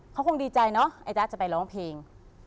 เขาคงดีใจเนอะไอ้จ๊ะจะไปร้องเพลง